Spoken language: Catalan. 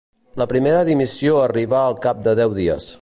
La primera dimissió arribà al cap de deu dies.